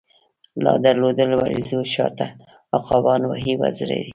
لادلوړو وریځو شاته، عقابان وهی وزری